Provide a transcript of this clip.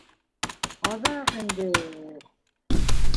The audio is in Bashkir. Аҙаҡ инде...